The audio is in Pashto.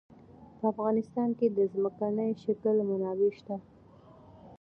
په افغانستان کې د ځمکنی شکل منابع شته.